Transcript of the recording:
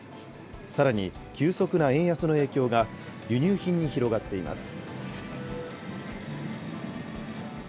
さらに急速な円安の影響が、輸入品に広がっています。